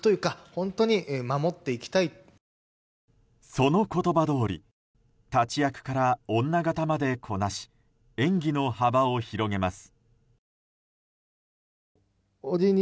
その言葉どおり立役から女形までこなし演技の幅を広げます。